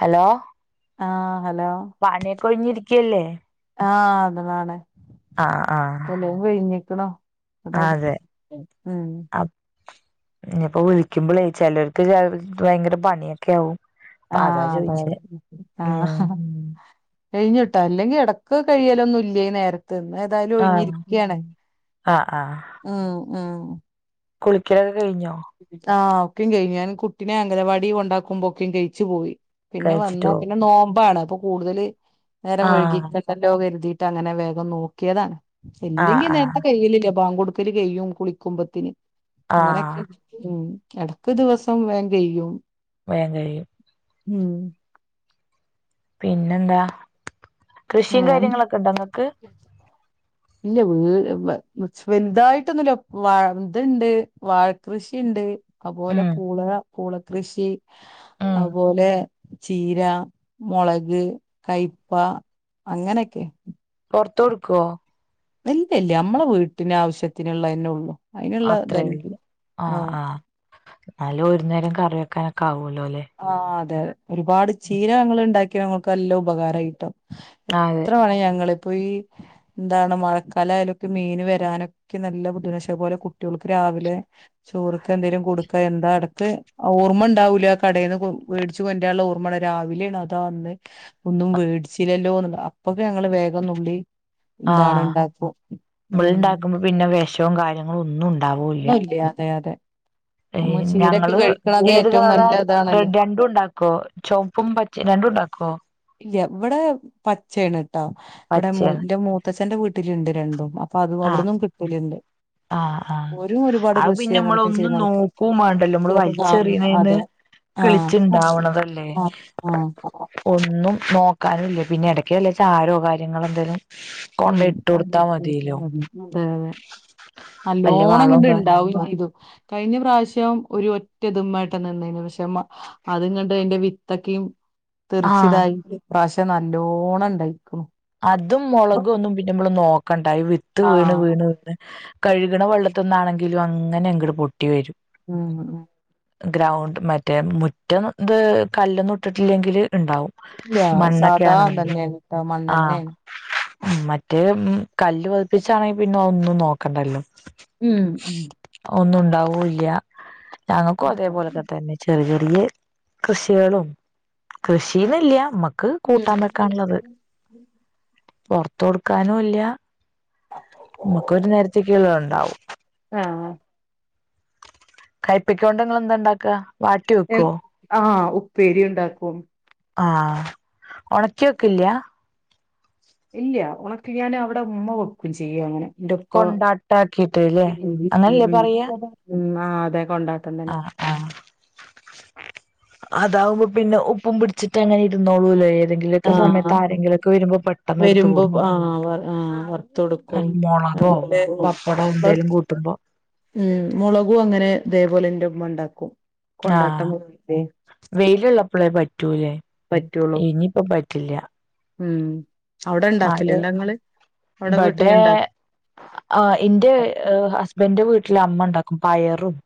Hello ആഹ് hello പണീക്കൊഴിഞ്ഞിരിക്കല്ലേ ആഹ് എന്റെതാണേ ആഹ് [unintelligible] അതാണ് ഉം ഇനിപ്പൊവിളിക്കുമ്പളേ ചിലർക്ക് ഭയങ്കര പണിയൊക്കെയാകും ആ, അതെ, അതെ ആ ഉം കഴിഞ്ഞിട്ടാ അല്ലെങ്കി ഇടയ്ക്ക് കഴിയലൊന്നും ഇല്ല നേരത്ത് ഇന്ന് ഏതായാലും ആഹ് ഒഴിഞ്ഞിരിക്കുകയാണേ ആഹ് ആ ആ കുളിക്ക ആഹ ഒക്കും കഴിഞ്ഞാൻ കുട്ടിനെ അങ്കനവാടി കൊണ്ടാക്കുമ്പോ ഒക്കും കഴിച്ചു പോയി പിന്നെ കഴിച്ചിട്ട് വന്നാ പോവും പിന്നെ നോമ്പാണ് അപ്പൊ കൂടുതല് നേരം വൈകി ആഹ് ക്കണ്ടല്ലോ കരുതി അങ്ങനെ വേഗം നോക്കിയതാണ് ആഹ് ഇല്ലെങ്കി ആഹ് നേരത്തെ കയ്യിലില്ല പാങ്ക് കൊടുക്കല് കഴിയും കുളിക്കുമ്പത്തേന് ആഹ് അങ്ങാനക്കെ ഉം ഇടക്ക് ദിവസം വേഗം കഴിയും വേഗം കഴിയും ഉം പിന്നെന്താ കൃഷിയും വേറെ കാര്യങ്ങളൊക്കെ ഉണ്ടങ്ങക്ക് വലുതായിട്ടൊന്നുമല്ല വാഴ ഇതുണ്ട് വാഴക്കൃഷിയുണ്ട് അതുപോലെ ഉം പൂള് പൂളകൃഷി ഉം അതുപോലെ ചീര, മുളക് കയപ്പ അങ്ങനെയൊക്കെ പൊറത്തു കൊടുക്കുവോ ഇല്ല, ഇല്ല നമ്മളെ വീട്ടിന് ആവശ്യത്തിനുള്ളതന്നെ ഉള്ളു അതിനുള്ള ഇതന്നെ അത്രയല്ല ആ, ആഹ് ആ, എന്നാലും ഒരു നേരം കറിയ കറിക്കാവൽ ആഹ അതെ അതെ ഒരുപാട് ഉം ചീര ഞങ്ങൾ ഉണ്ടാക്കി നമക്ക് എല്ലാം ഉപകാരമായിട്ടോ അതെ എത്ര മണി അപ്പൊ ഈ എന്താണ് മഴക്കാല ആയാലൊക്കെ മീൻ വരാനൊക്കെ നല്ല ബുദ്ധിനശേ പോലെ കുട്ടികൾക്ക് രാവിലെ ചോറെക്ക എന്തേങ്കിലും കൊടുക്കാ എന്താ ഇടക്ക് ഓർമ്മ ഉണ്ടാവൂല. കടയിൽന്ന് മേടിച്ച് കൊണ്ടുന്നുള്ള ഓർമ്മയാണ്‌, രാവിലെയാണ് അതാ അന്ന് ഒന്നും മേടിച്ചില്ലല്ലോന്നുള്ള അപ്പൊക്കെ ഞങ്ങള് വേഗംന്നുള്ളി ആ, നമ്മള് ഉണ്ടാക്കുമ്പോ പിന്നെ വിഷവും കാര്യങ്ങളും ഒന്ന അന്നുല്ല്യാ അതെ അതെ നമ്മ തേയ് ചീരൊക്കെ ഞങ്ങള് കഴിക്കണത് ഏത് ഏറ്റവും കളറാ നല്ല ഇതാണല്ലോ രണ്ടുണ്ടാക്വോ ചോപ്പും പച്ചെ രണ്ടുണ്ടാക്കോ ഇവെടെ പച്ചെആണ് ട്ടൊ ഇവിടെ പച്ചയാണ് മൂൻറ്റംമൂത്ത ചേ ട്ടന്റെ വീട്ടിലുണ്ട് രണ്ടുപാ പ്പഅതും അവിടുന്നും കിട്ടല്ണ്ട് ആ അത് പിന്നെ മ്മളൊന്നു ആൾക്കാ നോക്കൂം വേണ്ടല്ലോ മ്മ്ള് ആ വലിച്ചെറിയണീന്ന് അതെ ആഹ് കളിച്ചുണ്ടാവണതല്ലേ ആഹ് ആഹ് ഒന്ന് ഒന്നും നോക്കാനൂല്ല്യാ പിന്നെ എടയ്ക്ക് വല്ല ചാരോ കാര്യങ്ങളെന്തേലും ഉം കൊണ്ടെ ഇട്ടു കൊടുത്താ മതീല്ലോ അതെ അതെ നല്ലോണം വളവും കാ അങ്ങട്ടിണ്ടാവുനി ഇതും കഴിഞ്ഞ പ്രാവശ്യം ഒരു ഒറ്റ ഇതുമ്മായിട്ടാ നിന്നെന് പക്ഷെ മ്മ അതുംകണ്ട് അയ്ന്റെ വിത്തക്കെയും ആഹ് തെറിച്ചിതായി ഇപ്രാശം പക്ഷെ നല്ലോണം ഇണ്ടായിക്കുണു അത് അതും മൊളകും ഒന്നും പിന്നെ മ്മള് നോക്കണ്ടാ ഈ വിത്ത് വീണ് ആഹ് വീണ് കഴുകണ വെള്ളത്ത്ന്നാണെങ്കിലും അങ്ങനെ അങ്ക്ട് പൊട്ടി വെരും ഉം ഉം ഗ്രൗണ്ട് മറ്റേ മുറ്റം ഇത് കല്ലൊന്നു ഇട്ടിട്ടില്ലെങ്കില് ഇണ്ടാവും ഇല്ലാ സാധാ ഇതന്നെയാണ് ട്ടാ മണ്ണെന്ന് ആഹ് ന്നെയാണ് മറ്റേ ഉം കല്ല് പതിപ്പിച്ചാണെപ്പിന്നൊന്നും നോക്കണ്ടല്ലോ ഉം ഉം ഒന്നുണ്ടാവൂല്ല്യാ ഞങ്ങക്കും അതേപോലൊക്കെത്തന്നെ ചെറിയ [unintelligible] കൃഷികളും കൃഷീന്നില്ല്യാമക് ക്ക് കൂട്ടാൻ വെക്കാൻള്ളത് പൊർത്ത് കൊടുക്കാനൂല്ല്യ മ്മക്കൊരു നേരത്തേക്കിള്ളതൊണ്ടാവും ആഹ് കഴ്പ്പിക്കോണ്ട്ങ്ങള്ന്താണ്ടാക്കാ വാട്ടി വെക്കോ പ്പേരി ഉണ്ടാക്കും ആഹ് ഒണക്കി വെക്കില്ല്യാ ഇല്ല ഒണക്കികാണ്ട് അവിടെ ഉമ്മ വെക്കും ചെയ്യങ്ങനെ കൊണ്ടാട്ടാക്കീട്ട്ലേ അങ്ങൻല്ലേ പറയാ ഉം ആ അതെ കൊണ്ടാട്ടം തന്നെ ആഹ് ആഹ് അതാവുമ്പോ പിന്നെ ഉപ്പും പിടിച്ചിട്ട് അങ്ങനെ ഇരുന്നോളൂലേ ആ എടുത്ത് വരുമ്പോ ആ കൊടുക്കാം വർ ആ വർത്തൊടുക്കും മുളകോ പപ്പടോ എന്തേലും [unintelligible] കൂട്ടുമ്പോ ഉം മുളകും അങ്ങനെ തേപോലെന്റെ മ്മണ്ടാക്കും ആഹ് വെയിലുള്ളപ് പ്പഴേപറ്റ് പറ്റൂല്ലേ പറ്റുള്ളൂ ഇനിയിപ്പ പറ്റില്യാ- ഉം- അവിടെ മഴ ഉണ്ടാക്കലുണ്ടോ ഇങ്ങള് അവിടെ വീട്ടില് ബഡേ ഇണ്ടാക്ക ആ ഇന്റെ ഹസ്ബന്റെ വീട്ടില് അമ്മ ഇണ്ടാക്ക പയറും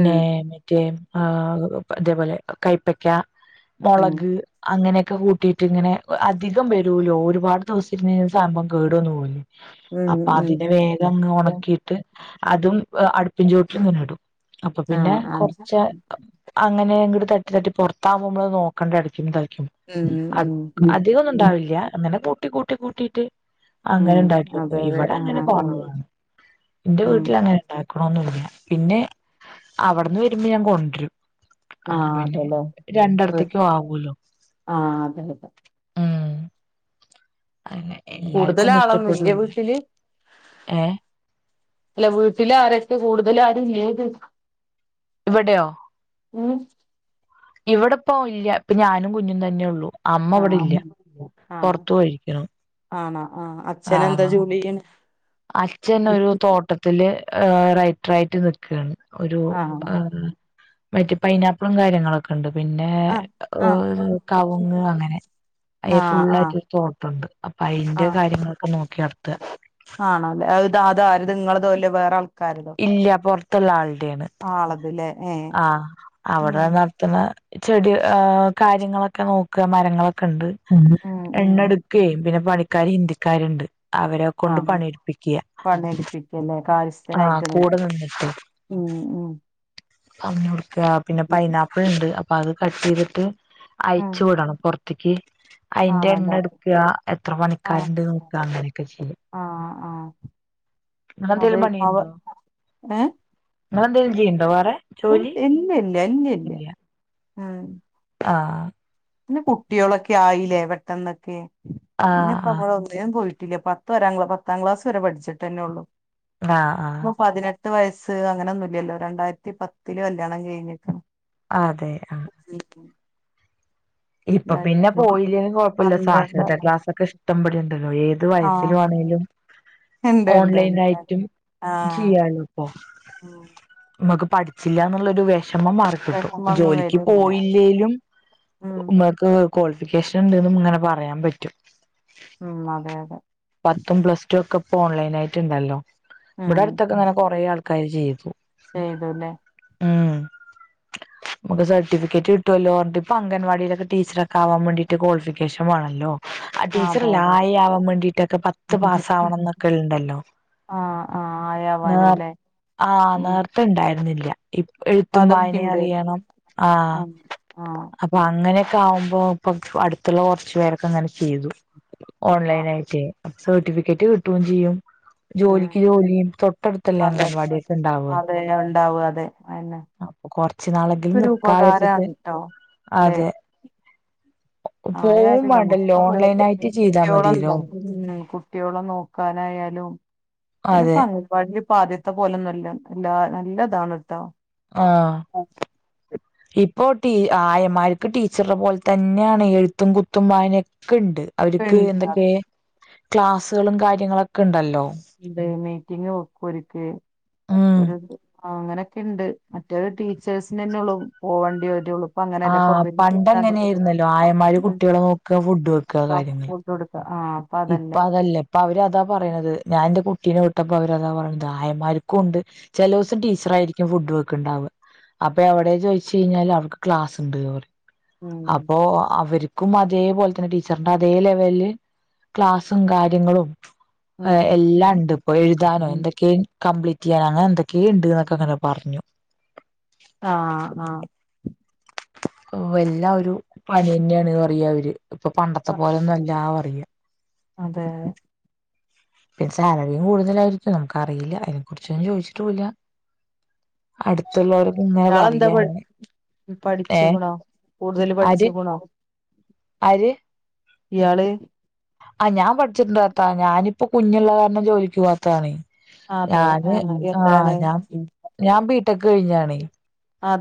ഉം മറ്റേ ആ അതേപോലെ കൈപ്പക്ക ഉം മുളക് അങ്ങനെക്കെ ക്കെ കൂട്ടിയിട്ട് ഇങ്ങനെ അധികം വരൂലോ ഒരു ഒരുപാട് ദിവസം ഇരുന്നു കഴിഞ്ഞാല് സാമ്പം കേടന്ന് പോവൂല്ലേ ഉം അപ്പൊ ഉം അതിന്റെ വേഗംങ്ങ് ഉണക്കിയിട്ട് അതും അടുപ്പിൻ ചോട്ടിലിങ്ങനെ ഇടും അപ്പൊ പിന്നെ ആഹ് ആഹ് കുറച്ച് അങ്ങനെ [unintelligible] ഇങ്ങട് തട്ടി തട്ടി പുറത്താവുമ്പോ മ്മള് നോക്കണ്ടെയടിക്കും തല ഉം ആ ഉം അധികം ഒന്നും ഇണ്ടാവില്യാ എന്നാല് കു കുട്ടെ കൂട്ടിട്ട് അങ്ങനെ ഉം ഉണ്ടാക്കി അതെ വെക്കും അതെ ഇവടെ അങ്ങനെ ആഹ് ഉം കുറവാണ് എന്റെ ഉം വീട്ടില് അങ്ങനെ ഇണ്ടാക്കണന്നില്ല പിന്നെ അവിടെന്ന് വരുമ്പോ ഞാൻ കൊണ്ടരും അപ്പൊ ആഹ് പിന്നെ അതെല്ലേ രണ്ടിടത്തേക്കും ആവൂല്ലോ ആഹ് അതെ ഉം അങ്ങനെ എല്ലാർക്കും കൂടുതല് ഒന്നും ആളാന്ന ഇന്റെ ഇഷ്ടപ്പെടൂല്ല വീട്ടില് ഏ അല്ല വീട്ടില് ആരൊക്കെ കൂടുതല് ആരും ഇല്ലേന്ന് ഇവിടെയോ ഇവിടപ്പോ ഇല്യാ ഇപ്പൊ ഞാനും കുഞ്ഞും തന്നെ ഉള്ളൂ അമ്മ ഇവിടെ ആഹ് ഇല്യാ ആഹ് പൊറത്തു പോയിരിക്കുന്നു ആണോ ആഹ് അച്ഛന് എന്താ ജോലി എയ്യണേ അച്ഛനൊരു തോട്ടത്തില് ആ റൈറ്ററായിട്ട് നിക്കാണ് ഒരു ആഹ് ആന്ന് മറ്റ് പൈനാപ്പിളും കാര്യങ്ങളൊക്കെ ഇണ്ട് പിന്നെ ആഹ് ആഹ് കവുങ്ങ് അങ്ങനെ അയ് ആഹ് ആഹ് ഫുള്ളായിട്ടൊരു തോട്ടം ഇണ്ട് അപ്പൊ അയ്ന്റെ കാര്യങ്ങളൊക്കെ നോക് ക്കി നടത്താ ആണോ അത് അത് ആര്ത് നിങ്ങള്തേലോ ഇല്ലേ വേറെ ആൾ ഇല്ല പൊറത്ത്ള്ള ആൾടാണ് ആളതല്ലേ ഏഹ് ആഹ് ഉം അവിടെ നടത്തണ ചെടി് ഏഹ് കാര്യങ്ങളൊക്കെ നോക്ക മരങ്ങളൊ ക്ക്ണ്ട് ഉം ഉം എണ്ണെടുക്കേം പിന്നെ പണിക്കാര് ഹിന്ദിക്ക ക്കാര്ണ്ട് അവരെ കൊണ്ട് ആഹ് പണിയെടുപ്പിക്ക പണിയെടുപ്പിക്കല്ലേ ആ കാര്യസ്ഥനായിട്ട് കൂടെ നിക്കും നിന്നിട്ട് ഉം ഉം അവല് കൊടുക്ക പിന്നെ പൈനാപ്പിൾ ണ്ട് അപ്പൊ അത് കട്ട്യ്തിട്ട് ഉം അയച്ച് വിടണം പൊറത് ത്തിക്ക് അയിന്റെ എണ്ണ ആണല്ലേ എടുക്ക എത്ര ആഹ് പണിക്കാരുണ്ട് നോക്ക അങ്ങനൊക്കെ ചെയ്യ ആഹ് ആഹ് അത് എന്തേലും അവ പണിണ്ടോ ഏഹ് ങ്ങള് എന്തേലും ചെയ്ണ്ടോ വേറെ ജോലി ഇല്ല്യാ ആഹ് ആ പിന്നെ കുട്ട്യോളൊക്കെ ആയില്ലേ പെട്ടെന്നൊക്കെ പിന്നപ്പ ആഹ് അമ്മള് ഒന്നിന്നും പോയിട്ട് ഇല്ല പത്തു വരെ ങ്ങള് പത്താം ക്ലാസ് വരെ പഠിച്ചിട്ടന്നെ ഒള്ളു. ആ ആ പത്ത് വയസ്സ് അങ്ങനൊന്നുല്ലല്ലോ രണ്ടായിരത്തി പത്തില് കല്യാണം കഴിഞ്ഞിക്ക്‌ണ് അതെ ആ ഇപ്പൊ പിന്നെ പോയില്ലേലും കൊഴപ്പില്ല പന്ത്രണ്ട് സാക്ഷരതാ ക്ലാസ്സൊക്കെ ഇഷ്ടംപടിണ്ടല്ലോ ഏത് വയസില് ആഹ് വെണേലും ഇണ്ട് ഇണ്ട് ഓൺലൈൻ ഇണ്ട് ആയിട്ടും ആഹ് ചെയ്യാലോ ഇപ്പൊ മ്മ്ക്ക് പഠിച്ചില്ലാന്നുള്ളൊരു വെഷ വെഷമം മാറി കിട്ടും വിഷമൊന്നും ജോലിക്ക് വരൂല പോയില്ലേലും ഉം ഇമ്മക്ക് ക്വാളിഫിക്കേഷൻ ഇണ്ട്ന്നും ഇങ്ങനെ പറയാൻ പറ്റും ഉം അതെ അതെ ഇപ്പം പ്ലസ്ടു ഒക്കെ പ്പ ഓൺലൈൻ ആയിട്ട്ണ്ടല്ലോ ഉം ഇവടെ അടുത്തൊക്കെ ങ്ങനെ കൊറെ ആൾക്കാര് ചെയ്തു ചെയ്തുല്ലേ ഉം. നമുക്ക് സർട്ടിഫിക്കറ്റ് കിട്ടൊല്ലോ ർ ഞ്ഞിട്ട് പ്പ അംഗൻവാടിലൊ ടീച്ചറ ഒക്കെ ആവാൻ വേണ്ടീട്ട് കോളിഫിക്കേഷൻ വാണല്ലോ ആ ആഹ് അതെ ടീച്ചർല്ല അതെ ആയ ആവാൻ വേണ്ടിട്ടൊക്കെ പത്ത് പാസ് ആവണം എന്നൊക്കെണ്ടല്ലോ ആഹ് ആഹ് നേർ ആയാവാനുല്ലേ ആഹ ഉം നേർത്തണ്ടായിരുന്നില്ല ഇ അപ്പൊ എഴുത്തും വായന അതൊക്കെണ്ട് അറിയണം ആഹ ആഹ് ആഹ് അപ്പൊ അങ്ങനെ ആവുമ്പോ ഇപ്പൊ അടുത്തുള്ള കൊറച്ചു പേരൊക്കെ അങ്ങനെ ചെയ്തു. ഓൺലൈൻ ആഹ് ആയിട്ടേ സർട്ടിഫിക്കറ്റ് കിട്ടും ചെയ്യും ഉം ജോലിക്ക് ജോലിയും തൊട്ടടുത്തല്ലേ അ അതെ പവാാടിിയൊക്കെ ഇണ്ടാവ അതെ ഉണ്ടാവും അതെ അന്നെ അപ്പൊ കൊറച്ചു നാളെങ്കിലും ഒരു നക്കാ വത്തിിട്ട് ഉപകാരാണ് ട്ടോ ല്ലെ അതെ പോവും ആയാലും നമ്മുക്ക് വേണ്ടല്ലോ ഓൺലൈൻ ആയിട്ട് ചെയ്താ കുട്ടിയളല്ല മതില്ലോ കുട്ടിയോളം നോക്കാനായാലും പിന്നെ അതെ പങ്കവാാടി ആദ്യത്തെ പോലൊന്നുംുമല്ല എല്ലാ നല്ലതാണ് ഇട്ട ആഹ ഇപ്പോട്ടീ ആയമാ ടീച്ചറ പോലെ തന്നെയാണ് എഴുത്തും കുത്തും വായനൊക്കെ ക്കണ്ട് അവർക്ക് ഇപ്പണ്ട് എന്തൊക്കെ ക്ലാസുകളും കാര്യങ്ങളൊക്കെ ഉണ്ടല്ലോ ഇണ്ട് മീറ്റിംഗക്ക ഒരുക്ക് ഉം ഒരു ആ അങ്ങനൊക്കെണ്ട് മറ്റേരു ടീച്ചേഴ്സിിനന് തന്നെ ഉള്ളൂ പോകേണ്ടി വരേ ഉള്ളൂ ആഹ പണ്ട എങ്ങനെയ ആായിരുന്നല്ലോ ആയന്മാര് കുട്ടികളെ നോക്കുക ഫുഡ് വെക്കുക കാര്യങ്ങൾ കൊടുക്ക ആ അപ്പ ഇപ്പ അതല്ല അതല്ലേ ഇപ്പൊ അവര് അതാ പറയണത് ഞാൻ എന്റെ കുട്ട കുട്ടിനെ വിട്ടപ്പോ അവരതാ പറയ ദായമാർക്കും ഉണ്ട് ചില ദിവസം ടീച്ചർയിരിക്കും ഫുഡ് വെക്കണ്ടാവുക അപ്പ എവിടെ ചോയിിച്ചു കഴിഞ്ഞാല് അവർക്ക് ക്ലാസ് ഉണ്ട് ഉം അപ്പോൊ അവർ ും അതേപോലെ തന്നെ ടീച്ചർണ്ട് അതേ ലെവലില് ക്ലാസ്സും കാര്യങ്ങളും എല്ലാം ഉണ്ട് ഉം ഇപ്പോൊ എഴുതാനോ എന്തൊക്കെയ കംപ്ലീറ്റ് വയാന അങ്ങനെ എന്തൊക്കെയ ഉണ്ട് എന്നൊക്കെ അങ്ങനെ പറഞ്ഞു ആഹ ആഹ വല്ലാ ഒരു പനി തന്നെയാണ് അറിയ അവര് ഇപ്പൊ പണ്ടത്തെ പോലെൊന്നും എല്ലാ അിയ അതെ പിന്ന സാലറിയും കൂടുതലായിരിക്കും നമുക്ക് അറിയില്ല അതിനെ കുുറിച്ചൊന്നും ചോദിച്ചിട്ട പോില്ല ളെന്താ ഏ പഠിച്ചു ഗുണാ കൂടുതൽ പഠിച്ച ഗുണോ ആ ഇയാള് ആ ഞാൻ പഠിച്ചിട്ടുണ്ടാത്ത ഞാനിപ്പ കുഞ്ഞുള്ള കാരണം ജോലിക്ക് പോവാത്തതാണ് അതെ ഞാന് ആഹ് ആഹ എന്താണ് ഞാൻ ഞാൻ വീട്ട ഒറ്റക്ക് കഴിഞ്ഞാണ് അ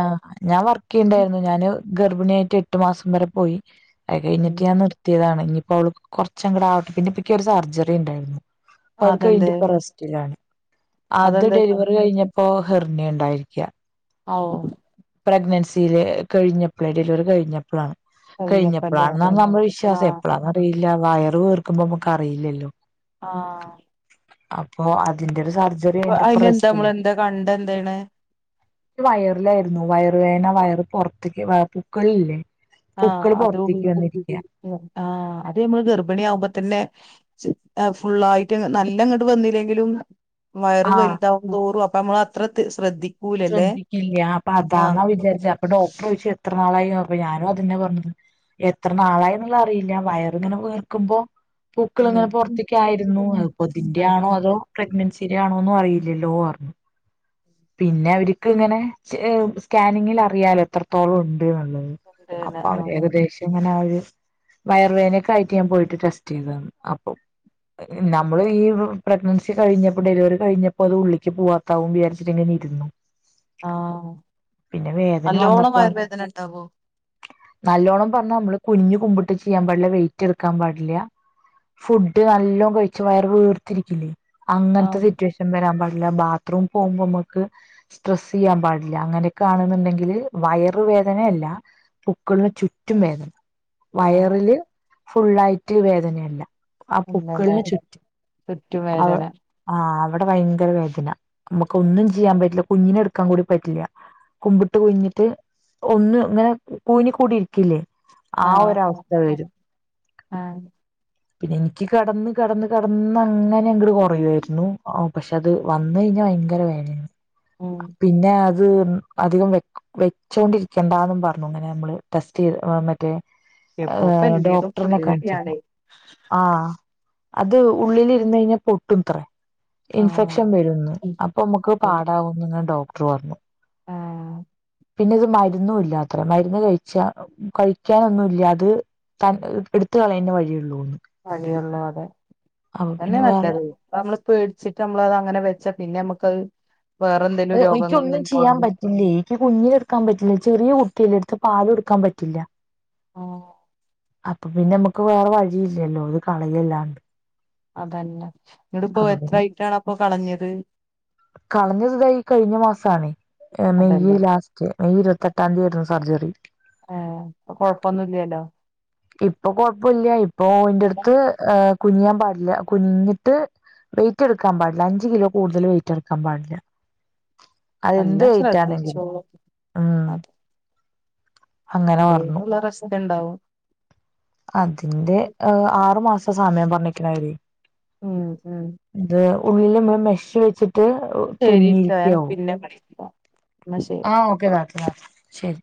ആഹ ഞാൻ വർക്ക് ചെയ്യണ്ടായിരുന്നു ഞാന് ഗർഭിണിയായിട്ട് എട്ട് മാസം വരെ പോയി അത് കഴിഞ്ഞിട്ട് ഞാൻ നിർയതാണ് ഇപ്പോഅവൾക് കുറച്ചങ്ങാടെ ആവട്ടെ പിന്നെ ഇപ്പൊ ക്കൊ ഒരു സർജറി ഉണ്ടായിരുന്നു അപ്പൊ അത് അതെന്തേ കഴിഞ്ഞിപ്പൊ റെസ്റ്റിലാണ് അത് അതെന്താ ഡെലിവറി കഴിഞ്ഞപ്പോ ഹെർ പിന്നെ ഇണ്ടായിരിക്ക ആ ഓ പ്രഗ്നൻസില് കഴിഞ്ഞപ്പളെ ഡെലിവറി കഴിഞ്ഞപ്പളാണ് കഴിഞ്ഞപ്പന്റെ റബ്ബേ കഴിഞ്ഞപ്പഴാണെന്ന നമ്മളെ വിശ്വാസം ആഹ് എപ്പഴാന്ന് അറിയില്ല വയറ് വീർ [unintelligible] നമുക്ക് അറിയില്ലല്ലോ ആഹ് അപ്പോ അതിന്റെ ഒരു സർജ അയിന്താ നമ്മള് എന്താ കണ്ട് എന്താണ് വയറിലായിരുന്നു വയറുവേദന വയറ് പൊറത്തേക്ക് പൊക്കിളില്ലേ ആഹ് [unintelligible] ആ അത് നമ്മൾ ഗർഭിണി ആകുമ്പോ തന്നെ ഫുള്ളായിട്ട് നല്ലങ്ങിട്ട് വന്നില്ലെങ്കിലും വയറ് ആഹ് വൽതാകും തോറും അപ്പ് അപ്പ നമ്മൾ അത്ര തി ശ്രദ്ധിക്ക ശ്രദ്ധിക്കില്ല അപ്പൊ അതാന്നാ വിചാരിച്ചേ അപ്പൊ ഡോക്ടർ ചോദിച്ചു എത്ര നാളായി [unintelligible] അപ്പൊ ഞാനും അതെന്നെ പറഞ്ഞത് എത്ര നാളായി എന്നുള്ള അറിയില്ല വയറിങ്ങനെ വീർക്കുമ്പോ പൂക്കൾ ഉം അങ്ങനെ പുറത്തേക്ക് ആയിരുന്നു അപ്പോ അത് ഇതിന്റെ ഉം ആണോ അതോ പ്രഗ്നൻസുടെ ആണോന്നും അറിയില്ല ല്ലലോ അറഞ്ഞു പിന്നെ അവര്ക്ക് ഇങ്ങനെ സ്കാനിങ്ങിൽ അറിയാലോ എത്രത്തോളം ഉണ്ട് ണ്ട്ന്നുള്ളത് ണ്ട്ലെ അപ്പൊ അവരെ ആഹ് ഏകദേശം ഇങ്ങനെ ആ ഒരു വയർവേദനക്കായിട്ട് ഞാൻ പോയിട്ട് ടെസ്റ്റ് ചെയ്താന്ന് അപ്പം നമ്മള് ഈ പ്രഗ്നൻസി കഴിഞ്ഞപ്പോ ഡെലിവറി കഴിഞ്ഞപ്പോ അത് ഉള്ളിക്ക് പോവാത്താവും വിചാരിച്ച് ച്ചിങ്ങനെയിരുന്നു ആഹ് നല്ലോണം വയർ വേദന ഇണ്ടാവോ നല്ലോണ്ണം പറഞ്ഞ നമ്മള് കുനിഞ്ഞ് കുമ്പിട്ട് ചെയ്യാൻ പാടില്ല വെയിറ്റ് എടുക്കാൻ പാടില്ല ഫുഡ് നല്ലോണം കഴിച്ച് വയർ വീർത്തിരിക്കില്ലേ അങ്ങനത്തെ ആഹ് സിറ്റുവേഷൻ വരാൻ പാടി ല്ല ബാത്റൂം പോകുമ്പോ നമുക്ക് സ്ട്രെസ്സ് ചെയ്യാൻ പാടില്ല [unintelligible] ആണെന്നുണ്ടെങ്കില് വയറ് വേദന ആഹ് വയറില് ഫുള്ളായിട്ട് വേദനയല്ല. ആ ഉണ്ടല്ലേ പൂക്കിളിന് ചുറ്റി അവ ചുറ്റുവേദന ആഹ് ഇവിടെ ഭയങ്കര വേദന നമുക്കൊന്നും ചെയ്യാൻ പറ്റില്ല കുഞ്ഞിനെ എടുക്കാൻ കൂടി പറ്റില്ല, കുമ്പിട്ട് കുഴിഞ്ഞിട്ട് ഒന്ന് ഇങ്ങനെ കൂനി കൂടിയിരിക്കില്ലേ ആഹ് ആഹ് [unintelligible] ആഹ് പിന്നെ എനിക്ക് കിടന്ന് കിടന്ന് കിടന്നങ്ങനെ ഇങ്ങട് കുറയുവായിരുന്നു പക്ഷെ അത് വന്ന് കഴിഞ്ഞാൽ ഭയങ്കര വേദനെ ഉം പിന്നെ അത് അത് അധികം വെ വെച്ചോണ്ടിരിക്കേണ്ടന്നും പറഞ്ഞ് അങ്ങനെ നമ്മള് ടെസ്റ്റ് ചെയ്ത് മറ്റേ ഇപ്പൊപ്പ ഏഹ് എല്ലേതും ഡോക്ടറിനെ കാണിച്ചപ്പം. പേടിയാണേ ആഹ് അത് ഉള്ളിലിരുന്ന് കഴിഞ്ഞാൽ പൊട്ടും അത്രേ ആഹ് ഇൻഫെക്ഷൻ വരുമെന്ന് ഇപ്പം നമുക്ക് അതന്നെ പാടാവുന്നും ക ഡോക്ടറ് വന്നു. ആഹ് പിന്നെ ഇത് മരുന്നും ഇല്ലാത്ര മരുന്ന് കഴിച്ചാ കഴിക്കാനൊന്നുമില്ല അത് തൻ എടുത്ത കളയാനെ വഴിയുള്ളൂ വഴിയല്ലാതെ അപ്പൊ അത് തന്നെയാ പിന്നെ നല്ലത് വേറെ അത് നമ്മള് പേടിച്ചിട്ട് നമ്മളത് അങ്ങനെ വെച്ചാ പിന്നെ നമുക്കത് വേറെ എന്തേലും അത് രോഗങ്ങൾ എഴിക്കൊന്നും ചെയ്യാൻ വരുവാണ് പറ്റില്ലേ, എനിക്ക് കുഞ്ഞിനെയെടുക്കാൻ പറ്റില്ലേ ചെറിയ കു കുട്ടിയെ എടുത്ത് പാല് കൊടുക്കാൻ പറ്റില്ല ആഹ് അപ്പം പിന്നെ നമ്മക്ക് വേറെ വഴിയില്ലല്ലോ ഇത് കളയല്ലാണ്ട്. അതന്നെ ഇങ്ങട്ട്പ്പോ എത്രായിട്ടാണ് അപ്പൊ കളഞ്ഞത്? കളഞ്ഞത് ദാ ഈ കഴിഞ്ഞ മാസാണ് മെയ് അതല്ലേ ലാസ്റ്റ് മെയ് ഇരുപത്തെട്ടാം തീയതി സർജറി. ആഹ്, ഇപ്പം കൊഴപ്പൊന്നുല്ലല്ലോ ഇപ്പൊ കൊഴപ്പല്ല. ഇപ്പൊ ഇന്റട്ത്ത് ആഹ് കുനിയാൻ പാടില്ല കുനിഞ്ഞിട്ട് വെയിറ്റെടുക്കാൻ പാടില്ല. അഞ്ച് കിലോ കൂടുതല് വെയിറ്റെടുക്കാൻ പാടില്ല. അതെന്ത് നല്ലോ വെയിറ്റ് ശ്രദ്ധിച്ചോ, ആണെങ്കിലും ഉം അതെ അങ്ങനെ പറഞ്ഞു [unintelligible] [unintelligible] ഇണ്ടാവും. അതിന്റെ ആറു മാസം ഇപ്പം സമയം പറഞ്ഞിക്ക്ണായിരി ഉം ഉം ഉള്ളില് ഇമ്മള് മഷി ഒഴിച്ചിട്ട് ശരിട്ടാ ഞാൻ പിന്നെ വിളിക്കാ ആ ഓക്കെ ന്നാല് ആ ശരി